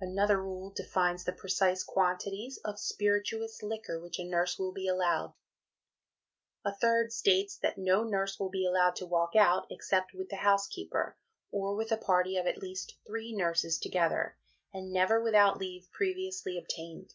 Another rule defines the precise quantities of spirituous liquor which a nurse will be allowed; a third states that "no nurse will be allowed to walk out except with the housekeeper, or with a party of at least three nurses together, and never without leave previously obtained."